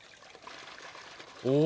お。